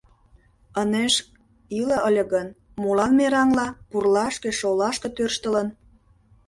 Ынеж иле ыле гын, молан мераҥла пурлашке-шолашке тӧрштылын?